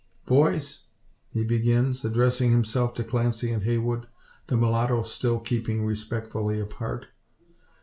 "Boys!" he begins, addressing himself to Clancy and Heywood, the mulatto still keeping respectfully apart.